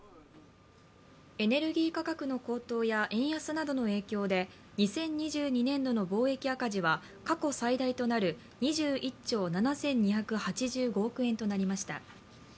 エネルギー価格の高騰や円安などの影響で２０２２年度の貿易赤字は過去最大となる２１兆７２８５円となりました。